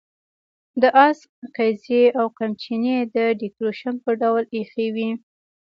د آس قیضې او قمچینې د ډیکوریشن په ډول اېښې وې.